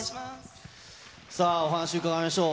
さあ、お話伺いましょう。